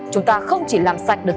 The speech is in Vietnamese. chúng ta không chỉ làm sạch được